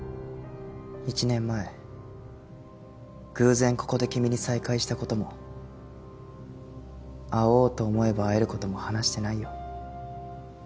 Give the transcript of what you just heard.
１年前偶然ここで君に再会した事も会おうと思えば会える事も話してないよ。